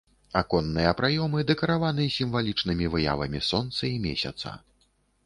Аконныя праёмы дэкараваны сімвалічнымі выявамі сонца і месяца.